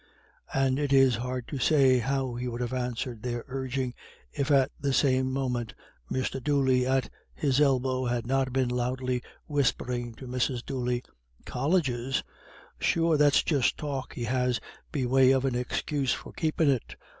And it is hard to say how he would have answered their urging if at the same moment Mr. Dooley at his elbow had not been loudly whispering to Mrs. Dooley "Colleges? Sure that's just talk he has be way of an excuse for keepin' it.